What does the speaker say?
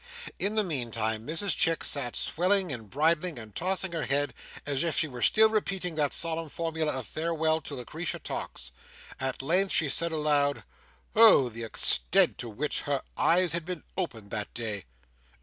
In the meantime Mrs Chick sat swelling and bridling, and tossing her head, as if she were still repeating that solemn formula of farewell to Lucretia Tox. At length, she said aloud, "Oh the extent to which her eyes had been opened that day!"